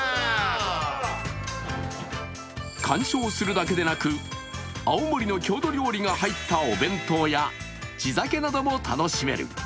鑑賞するだけでなく青森の郷土料理が入ったお弁当や地酒なども楽しめる。